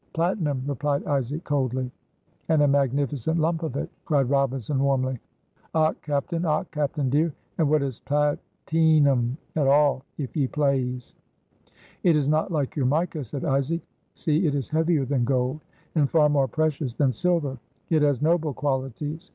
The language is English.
"Platinum," replied Isaac, coldly. "And a magnificent lump of it!" cried Robinson, warmly. "Och, captain! och, captain, dear! and what is plateenum at all if ye plaze?" "It is not like your mica," said Isaac. "See, it is heavier than gold, and far more precious than silver. It has noble qualities.